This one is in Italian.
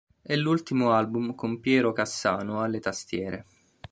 È l'ultimo album con Piero Cassano alle tastiere.